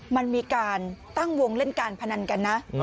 มันมีการตั้งวงเล่นการพนันกันนะ